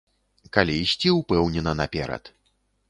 Калі ісці ўпэўнена наперад.